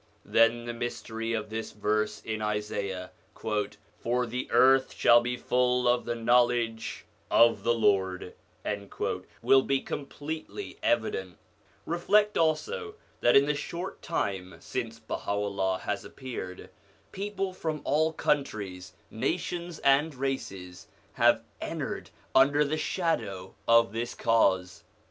Then the mystery of this verse in Isaiah, ' For the earth shall be full of the knowledge of the Lord,' will be completely evident Reflect also that in the short time since Baha'u'llah has appeared, people from all countries, nations, and races have entered under the shadow of this Cause.